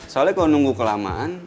soalnya kalau nunggu kelamaan